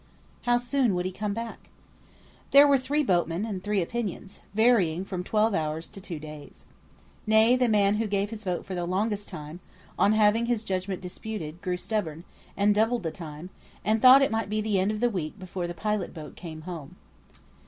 "How soon would he come back?" There were three boatmen, and three opinions, varying from twelve hours to two days. Nay, the man who gave his vote for the longest time, on having his judgment disputed, grew stubborn, and doubled the time, and thought it might be the end of the week before the pilot boat came home.